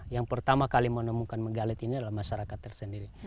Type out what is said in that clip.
yang pertama kali menemukan menggalit ini adalah masyarakat tersendiri